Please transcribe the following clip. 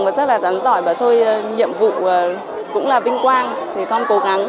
rất là đáng giỏi bà tôi nhiệm vụ cũng là vinh quang thì con cố gắng